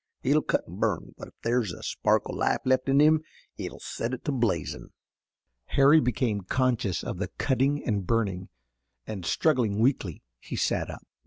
It'll cut an' burn, but if there's a spark o' life left in him it'll set it to blazin'." Harry became conscious of the "cutting" and "burning," and, struggling weakly, he sat up.